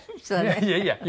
いやいやいやいや。